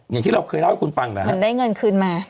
อย่างที่เราเคยเล่าให้คุณฟังแล้วมันได้เงินคืนมา